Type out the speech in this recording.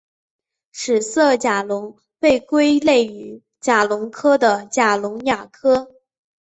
史色甲龙被归类于甲龙科的甲龙亚科。